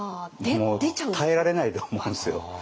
もう耐えられないと思うんですよ。